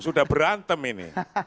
sudah berantem ini